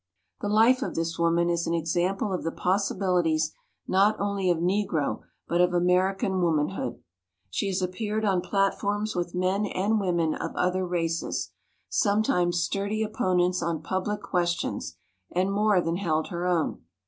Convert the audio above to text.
The life of this woman is an example of the possibilities not only of Negro but of American womanhood. She has appeared on platforms with men and women of other races, sometimes sturdy opponents on pub lic questions, and more than held her own.